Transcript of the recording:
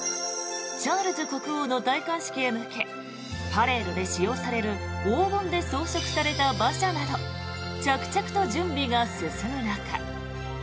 チャールズ国王の戴冠式へ向けパレードで使用される黄金で装飾された馬車など着々と準備が進む中